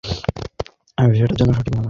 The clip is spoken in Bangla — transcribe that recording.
অমর সেটার জন্য সঠিক মানুষ।